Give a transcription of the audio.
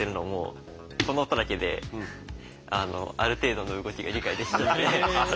この音だけである程度の動きが理解できるんで。